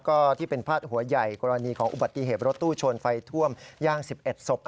ก็ที่เป็นพาดหัวใหญ่กรณีของอุบัติเหตุรถตู้ชนไฟท่วมย่าง๑๑ศพ